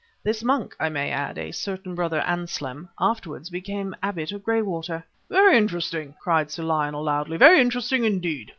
This monk, I may add a certain Brother Anselm afterwards became Abbot of Graywater." "Very interesting!" cried sir Lionel loudly; "very interesting indeed."